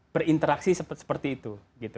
berinteraksi seperti itu